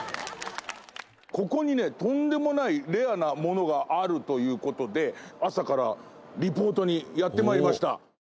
ここにね、とんでもないレアなものがあるという事で朝からリポートにやってまいりました。